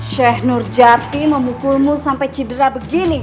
sheikh nurjati memukulmu sampai cedera begini